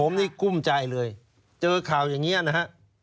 ผมนี่กุ้มใจเลยเจอข่าวอย่างนี้นะฮะ